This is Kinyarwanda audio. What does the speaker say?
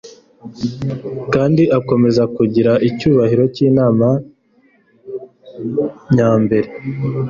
kandi akomeze kugira icyubahiro cy'Imana nyambere.